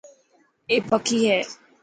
اي پکي هي.